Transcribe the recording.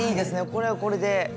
これはこれで。